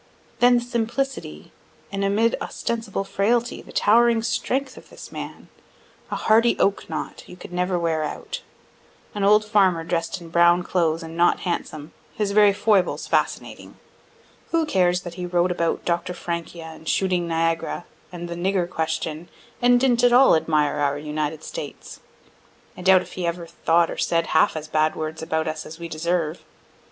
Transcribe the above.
Then the simplicity and amid ostensible frailty the towering strength of this man a hardy oak knot, you could never wear out an old farmer dress'd in brown clothes, and not handsome his very foibles fascinating. Who cares that he wrote about Dr. Francia, and "Shooting Niagara" and "the Nigger Question," and didn't at all admire our United States? (I doubt if he ever thought or said half as bad words about us as we deserve.)